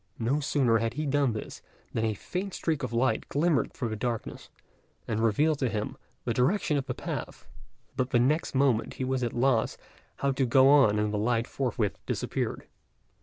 No sooner had he done this than a faint streak of light glimmered through the darkness, and revealed to him the direction of the path; but the next moment he was at a loss how to go on and the light forthwith disappeared.